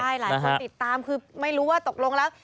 หลายคนติดตามคือไม่รู้ว่าตกลงแล้ว